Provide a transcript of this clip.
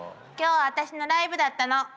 きょうは私のライブだったの！